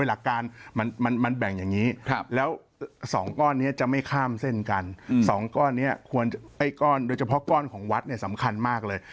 แล้ว๒ก้อนนี้จะไม่ข้ามเส้นกัน๒ก้อนนี้โดยเฉพาะก้อนของวัดเนี่ยสำคัญมากเลย